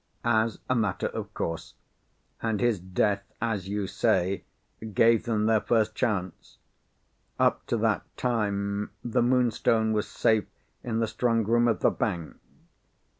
"As a matter of course. And his death, as you say, gave them their first chance. Up to that time the Moonstone was safe in the strongroom of the bank.